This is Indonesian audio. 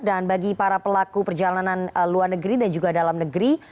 dan bagi para pelaku perjalanan luar negeri dan juga dalam negeri